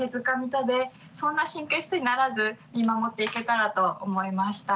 食べそんな神経質にならず見守っていけたらと思いました。